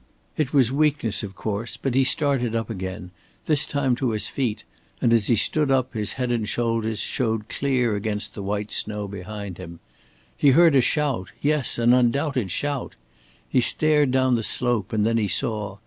It was weakness, of course, but he started up again, this time to his feet, and as he stood up his head and shoulders showed clear against the white snow behind him. He heard a shout yes, an undoubted shout. He stared down the slope and then he saw.